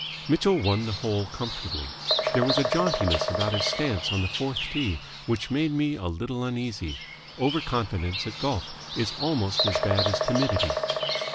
Mitchell won the hole comfortably. There was a jauntiness about his stance on the fourth tee which made me a little uneasy. Over confidence at golf is almost as bad as timidity.